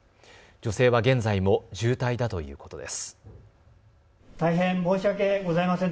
女性は現在も重体だということです。